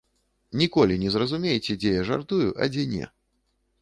Ніколі не зразумееце, дзе я жартую, а дзе не.